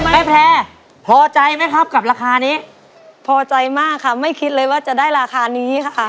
ไม่แพร่พอใจไหมครับกับราคานี้พอใจมากค่ะไม่คิดเลยว่าจะได้ราคานี้ค่ะ